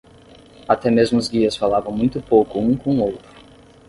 Até mesmo os guias falavam muito pouco um com o outro.